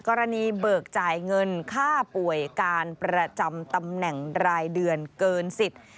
กรณีเบิกจ่ายเงินค่าป่วยการประจำตำแหน่งรายเดือนเกินสิทธิ์